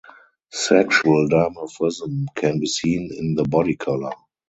Sexual dimorphism can be seen in the body color.